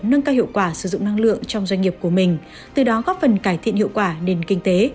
nâng cao hiệu quả sử dụng năng lượng trong doanh nghiệp của mình từ đó góp phần cải thiện hiệu quả nền kinh tế